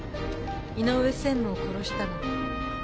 井上専務を殺したのは。